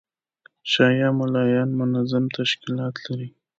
شیعه مُلایان منظم تشکیلات لري.